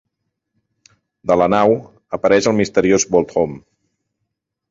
De la nau, apareix el misteriós Volthoom.